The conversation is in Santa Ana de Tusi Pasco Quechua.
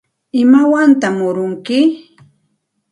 ¿Imawantaq murunki?